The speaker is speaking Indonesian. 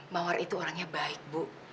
mawar itu orangnya baik bu